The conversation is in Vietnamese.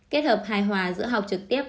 kết hợp hài hòa giữa học trực tiếp